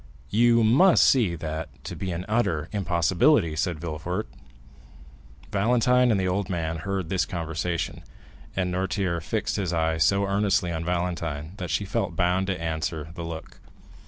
"You must see that to be an utter impossibility," said Villefort. Valentine and the old man heard this conversation, and Noirtier fixed his eye so earnestly on Valentine that she felt bound to answer to the look.